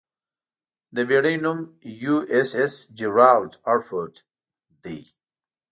د بېړۍ نوم 'یواېساېس جېرالډ ار فورډ' دی.